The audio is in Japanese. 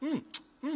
うん。